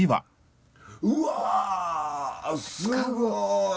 うわすごい！